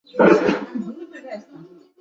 তার পিতার নাম মো: শওকত আলী ও মাতা রিজিয়া খাতুন।